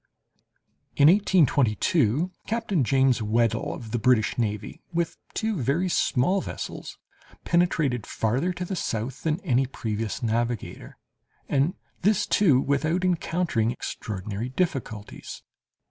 In 1822, Captain James Weddell, of the British navy, with two very small vessels, penetrated farther to the south than any previous navigator, and this, too, without encountering extraordinary difficulties.